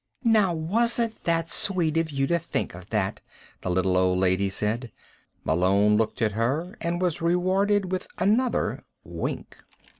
"Now, wasn't that sweet of you to think of that," the little old lady said. Malone looked at her and was rewarded with another wink.